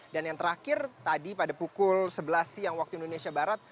dan yang terakhir tadi pada pukul sebelas yang waktu indonesia barat